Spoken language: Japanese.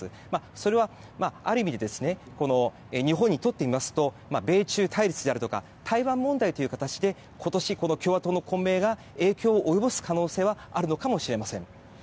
それは、ある意味で日本にとってみますと米中対立であるとか台湾問題という形で今年、共和党の混迷が影響を及ぼす可能性はあるのかもしれません。